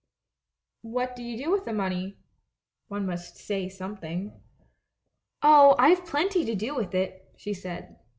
" 'What do you do with so much money?' One must say something. " 'Oh, I've plenty to do with it,' she said.